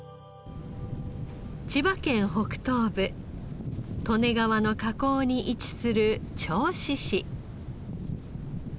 千葉県北東部利根川の河口に位置する銚子市。